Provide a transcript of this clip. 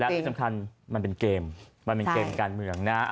ที่สำคัญมันเป็นเกมมันเป็นเกมการเมืองนะ